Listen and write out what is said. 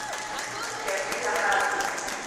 په سیاسي لحاظ